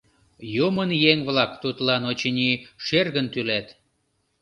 Юмын еҥ-влак тудлан, очыни, шергын тӱлат».